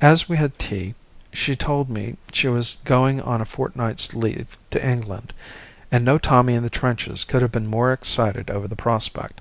As we had tea she told me she was going on a fortnight's leave to England; and no Tommy in the trenches could have been more excited over the prospect.